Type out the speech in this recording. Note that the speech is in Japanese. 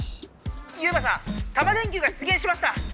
ユウマさんタマ電Ｑが出げんしました！